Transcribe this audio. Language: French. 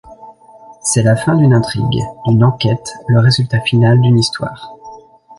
C’est la fin d’une intrigue, d’une enquête, le résultat final d’une histoire.